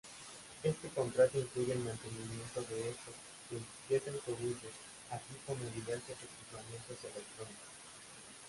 Este contrato incluye el mantenimiento de eso veintisiete autobuses, así como diversos equipamientos electrónicos.